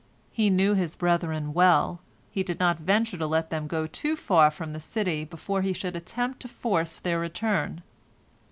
He knew his brethren well, he did not venture to let them get too far from the city before he should attempt to force their return.